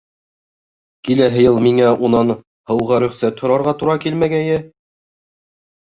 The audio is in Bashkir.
Киләһе йыл миңә унан һыуға рөхсәт һорарға тура килмәгәйе!